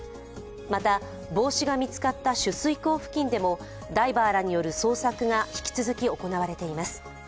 また、帽子が見つかった取水口付近でもダイバーらによる捜索が引き続き行われています。